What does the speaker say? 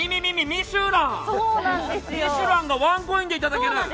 「ミシュラン」がワンコインでいただける！